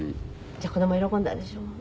じゃあ子供喜んだでしょ？